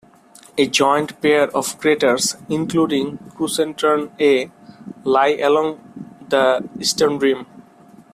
A joined pair of craters, including Krusenstern A, lie along the eastern rim.